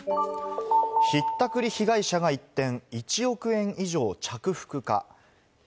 ひったくり被害者が一転、１億円以上を着服か？